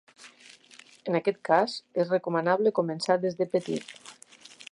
En aquest cas, és recomanable començar des de petit.